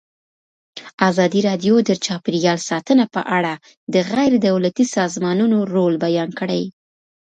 ازادي راډیو د چاپیریال ساتنه په اړه د غیر دولتي سازمانونو رول بیان کړی.